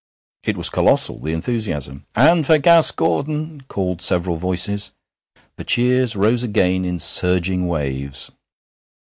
It was colossal, the enthusiasm. 'And for Gas Gordon!' called several voices. The cheers rose again in surging waves.